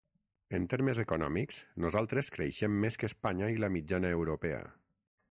En termes econòmics nosaltres creixem més que Espanya i la mitjana europea.